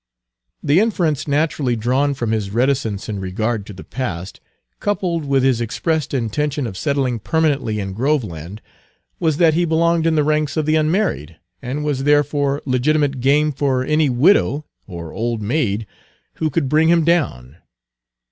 The inference naturally drawn from his reticence in regard to the past, coupled with his expressed intention of settling permanently in Groveland, was that he belonged in the ranks of the unmarried, and was therefore legitimate game for any widow or old maid who could bring him down.